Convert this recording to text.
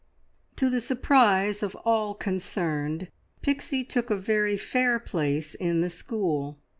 To the surprise of all concerned, Pixie took a very fair place in the school.